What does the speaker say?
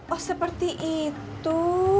oh seperti itu